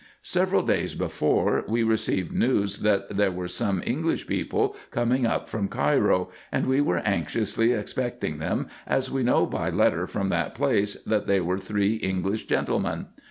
Several days before we received news, that there were some En glish people coming up from Cairo, and we were anxiously expecting them, as we knew by letter from that place, that they were three English gentlemen.